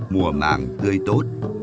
mùa mạng tươi tốt